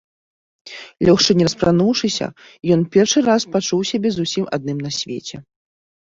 Лёгшы не распрануўшыся, ён першы раз пачуў сябе зусім адным на свеце.